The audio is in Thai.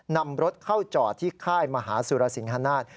นำรถเข้าจอดที่ค่ายมหาสุรสิงฮนาศ